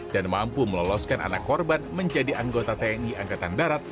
dan mampu meloloskan anak korban menjadi anggota tni angkatan darat